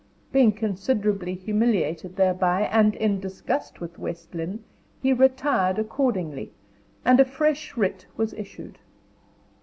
Being considerably humiliated thereby, and in disgust with West Lynne, he retired accordingly, and a fresh writ was issued.